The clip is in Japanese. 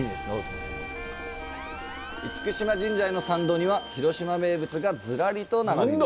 嚴島神社への参道には広島名物がずらりと並びます。